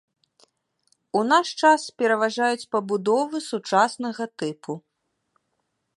У наш час пераважаюць пабудовы сучаснага тыпу.